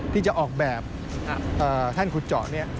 ที่จะออกแบบแท่นขุดเจาะเนี่ย